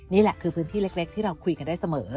นี่แหละคือพื้นที่เล็กที่เราคุยกันได้เสมอ